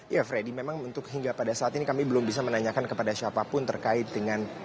ya freddy memang untuk hingga pada saat ini kami belum bisa menanyakan kepada siapapun terkait dengan